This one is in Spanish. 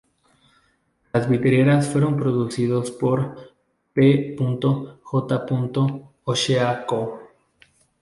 Las vidrieras fueron producidos por P. J. O'Shea Co.